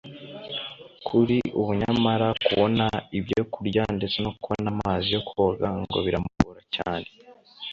Kuri ubu nyamara kubona ibyo kurya ndetse no kubona amazi yo koga ngo biramugora cyane